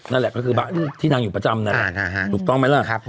นั่นแหละก็คือที่นางอยู่ประจำนั่นแหละถูกต้องไหมล่ะ